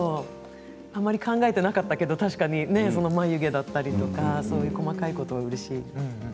あまり考えていなかったけど確かに眉毛だったりとかそういう細かいことはうれしい。